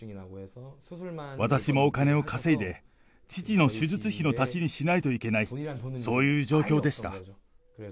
私もお金を稼いで、父の手術費の足しにしないといけない、そういう状況でした。